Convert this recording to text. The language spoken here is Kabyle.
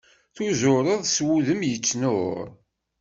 Tuzureḍ s wudem yettnur.